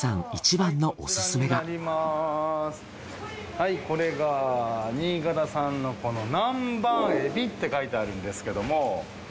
はいこれが新潟産の南蛮エビって書いてあるんですけども。